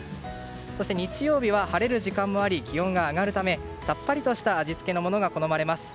そして日曜日は晴れる時間もあり気温が上がるためさっぱりとした味付けのものが好まれます。